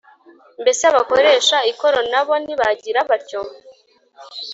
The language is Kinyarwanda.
Mbese abakoresha ikoro na bo ntibagira batyo?